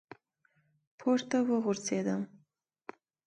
پـورتـه وغورځـېدم ،